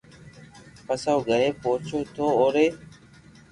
پسي او گھري پوچيو تو اوري